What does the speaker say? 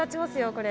これ。